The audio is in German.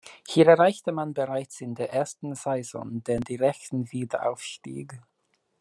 Hier erreichte man bereits in der ersten Saison den direkten Wiederaufstieg.